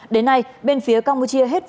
đến nay bên phía campuchia hết